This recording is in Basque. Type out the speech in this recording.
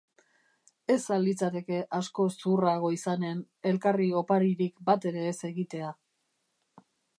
Ez al litzateke askoz zuhurrago izanen, elkarri oparirik batere ez egitea.